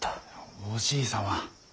おじい様。